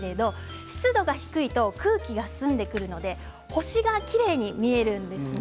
湿度が低いと空気が澄んでくるので星がきれいに見えるんです。